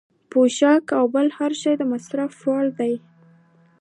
پوښاک او بل هر شی د مصرف وړ دی.